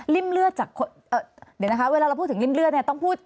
อ๋อริ่มเลือดจากเดี๋ยวนะคะเวลาเราพูดถึงริ่มเลือดเนี่ย